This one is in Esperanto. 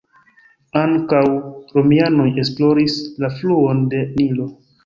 Ankaŭ romianoj esploris la fluon de Nilo.